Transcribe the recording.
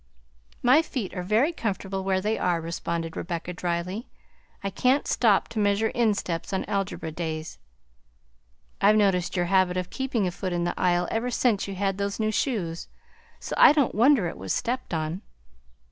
"My feet are very comfortable where they are," responded Rebecca dryly. "I can't stop to measure insteps on algebra days; I've noticed your habit of keeping a foot in the aisle ever since you had those new shoes, so I don't wonder it was stepped on."